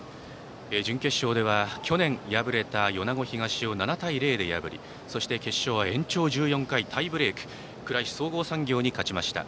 準決勝では、去年敗れた米子東を７対０で破り決勝は延長１４回、タイブレーク倉吉総合産業に勝ちました。